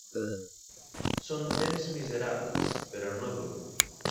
Són temps miserables, però no duren.